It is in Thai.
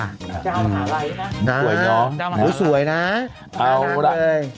ดาวมะขาไหลนะดาวมะขาไหลสวยเนอะดาวมะขาไหลโอ้ยสวยนะ